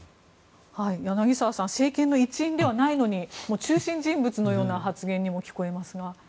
柳澤さん政権の一員ではないのに中心人物のような発言にも見えますが。